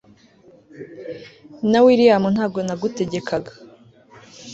na william ntago nagutegekaga